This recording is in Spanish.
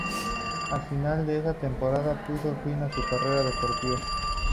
A final de esa temporada puso fin a su carrera deportiva.